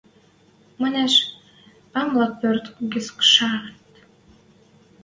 Манеш, — ам лӓк пӧрт гӹцшӓт.